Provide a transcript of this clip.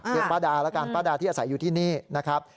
ป้าดาแล้วกันป้าดาที่อาศัยอยู่ที่นี่นะครับ